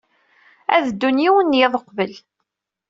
Ad ddun yiwen n yiḍ uqbel.